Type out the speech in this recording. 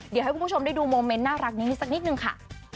เดี๋ยวให้คุณผู้ชมได้ดูโมเมนต์น่ารักนี้สักนิดนึงค่ะ